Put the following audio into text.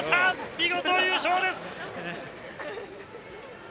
見事、優勝です！